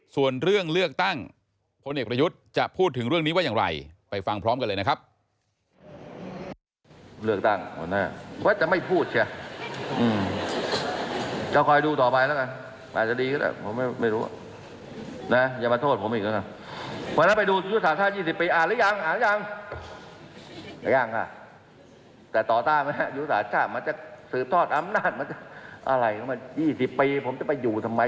ส่วนเรื่องเลือกตั้งพลเอกประยุทธ์จะพูดถึงเรื่องนี้ว่าอย่างไรไปฟังพร้อมกันเลยนะครับ